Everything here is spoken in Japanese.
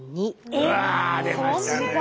うわ出ました！